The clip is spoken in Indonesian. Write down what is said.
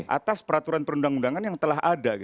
atas peraturan perundang undangan yang telah ada